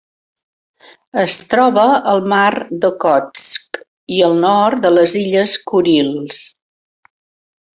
Es troba al Mar d'Okhotsk i el nord de les Illes Kurils.